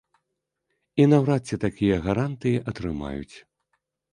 І наўрад ці такія гарантыі атрымаюць.